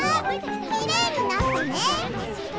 きれいになったね！